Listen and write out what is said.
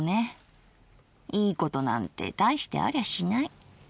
いいことなんて大してありゃしない。